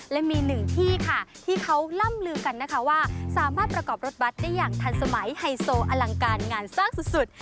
และมีหนึ่งที่ค่ะที่เขาล่ำลือกันนะคะว่าสามารถประกอบรถบัตรได้อย่างทันสมัยไฮโซอลังการงานสร้างสุด